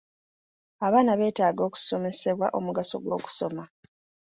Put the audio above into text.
Abaana beetaaga okusomesebwa omugaso gw'okusoma.